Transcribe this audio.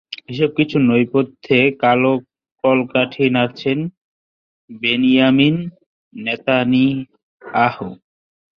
এসব কিছুর নেপথ্যে কলকাঠি নাড়ছেন বেনিয়ামিন নেতানিয়াহু।